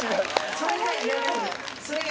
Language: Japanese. それはいらない。